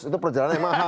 itu perjalanannya mahal